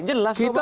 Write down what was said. jelas kok bang